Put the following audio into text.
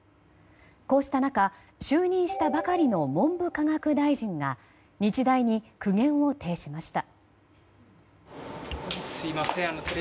こうした中、就任したばかりの文部科学大臣が日大に苦言を呈しました。